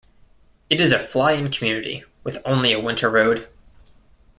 It is a fly-in community, with only a winter road.